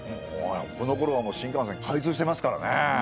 このころはもう新幹線開通してますからね。